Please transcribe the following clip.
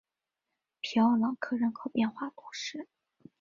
皮奥朗克人口变化图示